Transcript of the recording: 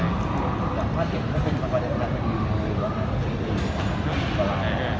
อยากว่าจะเป็นคุณก็เป็นบางแต่ว่า